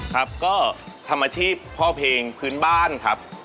ครับก็ทำอาชีพพ่อเพลงพื้นบ้านครับ